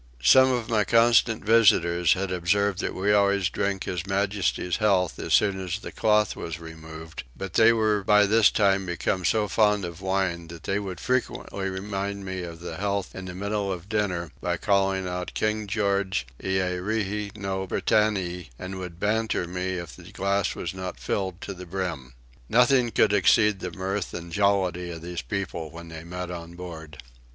Some of my constant visitors had observed that we always drank His Majesty's health as soon as the cloth was removed; but they were by this time become so fond of wine that they would frequently remind me of the health in the middle of dinner by calling out King George Earee no Brittannee; and would banter me if the glass was not filled to the brim. Nothing could exceed the mirth and jollity of these people when they met on board.